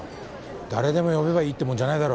誰でも呼べばいいってもんじゃないだろ。